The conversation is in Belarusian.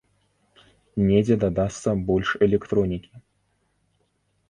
Недзе дадасца больш электронікі.